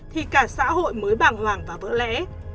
thì cả xã hội mới bảng hoảng và vỡ lẽ